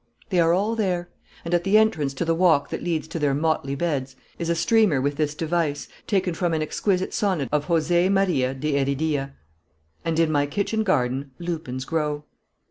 They are all there; and, at the entrance to the walk that leads to their motley beds, is a streamer with this device, taken from an exquisite sonnet of Jose Maria de Heredia: "And in my kitchen garden lupins grow."